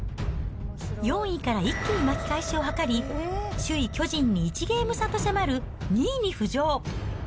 ４位から一気に巻き返しを図り、首位巨人に１ゲーム差と迫る２位に浮上。